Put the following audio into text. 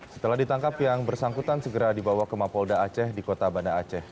setelah ditangkap yang bersangkutan segera dibawa ke mapolda aceh di kota banda aceh